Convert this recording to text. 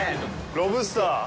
ロブスター？